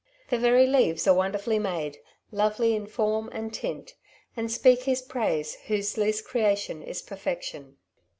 The very leaves are wonderfully made, lovely in form and tint, and speak His praise whose least creation is perfection.